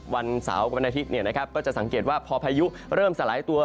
วันเสาร์วันอาทิตย์ก็จะสังเกตว่าพอพายุเริ่มสลายตัว